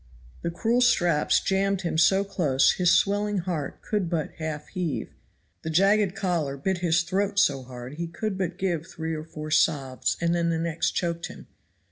The cruel straps jammed him so close his swelling heart could but half heave. The jagged collar bit his throat so hard he could but give three or four sobs and then the next choked him.